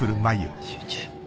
集中。